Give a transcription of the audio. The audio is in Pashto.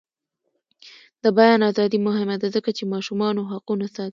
د بیان ازادي مهمه ده ځکه چې ماشومانو حقونه ساتي.